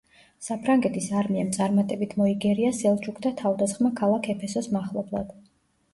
საფრანგეთის არმიამ წარმატებით მოიგერია სელჩუკთა თავდასხმა ქალაქ ეფესოს მახლობლად.